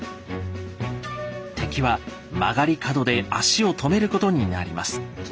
敵は曲がり角で足を止めることになります。